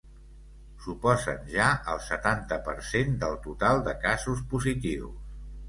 Suposen ja el setanta per cent del total de casos positius.